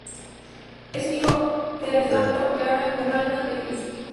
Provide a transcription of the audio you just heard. Es hijo de Alejandro Graña Garland y de Enriqueta Miró Quesada Garland.